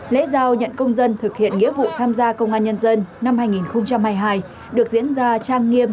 lễ giao nhận công dân thực hiện nghĩa vụ tham gia công an nhân dân năm hai nghìn hai mươi hai được diễn ra trang nghiêm